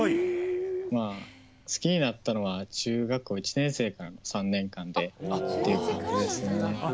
まあ、好きになったのは中学校１年生からの３年間でという感じですね。